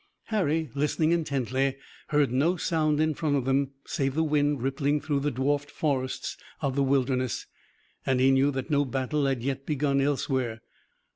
Harry, listening intently, heard no sound in front of them, save the wind rippling through the dwarfed forests of the Wilderness, and he knew that no battle had yet begun elsewhere.